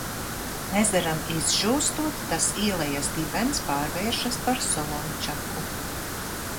Ezeram izžūstot, tas ielejas dibens pārvēršas par solončaku.